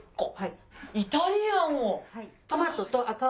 イタリアンを。